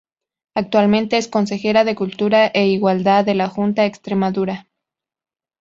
Actualmente es Consejera de Cultura e Igualdad de la Junta de Extremadura.